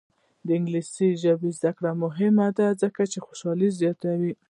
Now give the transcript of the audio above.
د انګلیسي ژبې زده کړه مهمه ده ځکه چې خوشحالي زیاتوي.